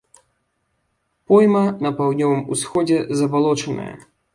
Пойма на паўднёвым усходзе забалочаная.